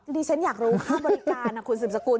ดิฉันอยากรู้ค่าบริการคุณสืบสกุล